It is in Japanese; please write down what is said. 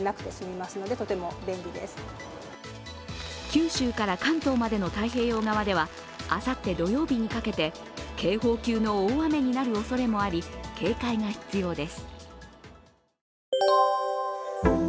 九州から関東までの太平洋側ではあさって土曜日にかけて警報級の大雨になるおそれもあり警戒が必要です。